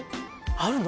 あるの？